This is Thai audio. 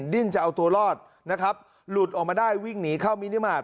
ดิ้นจะเอาตัวรอดนะครับหลุดออกมาได้วิ่งหนีเข้ามินิมาตร